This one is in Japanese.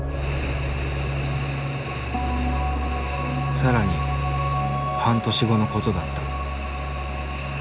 更に半年後の事だった。